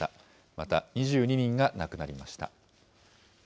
また、２２人が亡くなりました。